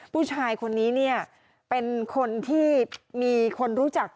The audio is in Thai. ผู้ชายคนนี้เนี่ยเป็นคนที่มีคนรู้จัก